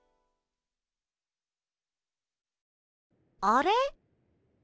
あれ？